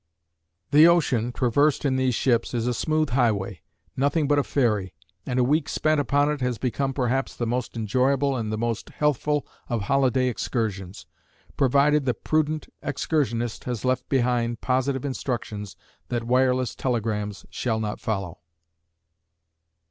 The ocean, traversed in these ships, is a smooth highway nothing but a ferry and a week spent upon it has become perhaps the most enjoyable and the most healthful of holiday excursions, provided the prudent excursionist has left behind positive instructions that wireless telegrams shall not follow.